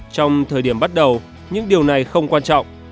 trong thời điểm bắt đầu những điều này không quan trọng